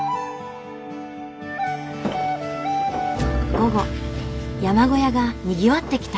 午後山小屋がにぎわってきた。